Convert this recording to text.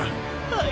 はい。